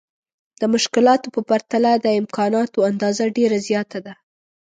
د مشکلاتو په پرتله د امکاناتو اندازه ډېره زياته ده.